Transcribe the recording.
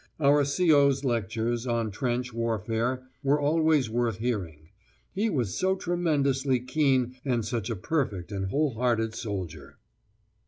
Our C.O.'s lectures on trench warfare were always worth hearing: he was so tremendously keen and such a perfect and whole hearted soldier.